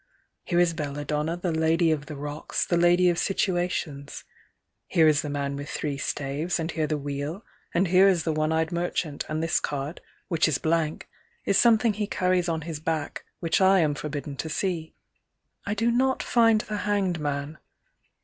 Here is Belladonna, the Lady of the Rocks, The lady of situations. 50 Here is the man with three staves, and here the Wheel, And here is the one eyed merchant, and this card, Which is blank, is something he carries on his back, Which I am forbidden to see. I do not find The Hanged Man.